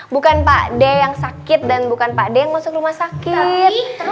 bukan pak d yang sakit dan bukan pak d yang masuk rumah sakit